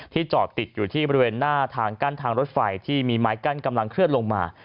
จอดติดอยู่ที่บริเวณหน้าทางกั้นทางรถไฟที่มีไม้กั้นกำลังเคลื่อนลงมา